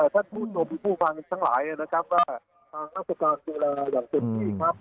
ถ้าพูดโบราณผู้บ้านทั้งหลายนะครับทางนักประการศูนย์ราอย่างเต็มที่ครับ